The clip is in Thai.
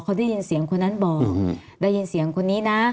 เขาได้ยินเสียงคนนั้นบอกได้ยินเสียงคนนี้นะ